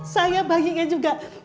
saya baginya juga